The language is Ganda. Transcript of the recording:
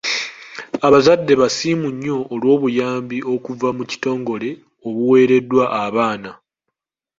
Abazadde basiimu nnyo olw'obuyambi okuva mu kitongole obuwereddwa abaana.